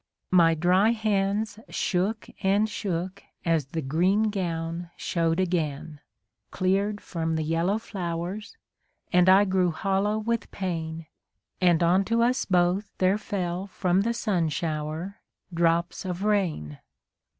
My dry hands shook and shook as the green gown show'd again, Cleared from the yellow flowers, and I grew hollow with pain, And on to us both there fell from the sun shower drops of rain.